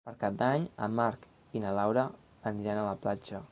Per Cap d'Any en Marc i na Laura aniran a la platja.